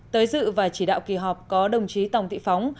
tới dự và chỉ đạo kỳ họp có đồng chí tòng thị phóng